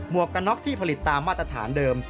วกกันน็อกที่ผลิตตามมาตรฐานเดิม